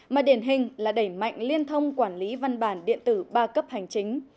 mà điển hình là đẩy mạnh liên thông quản lý văn bản điện tử ba cấp hành chính